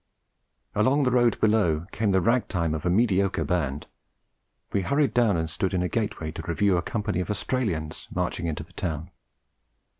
Along the road below came the rag time of a mediocre band; we hurried down and stood in a gateway to review a company of Australians marching into the town.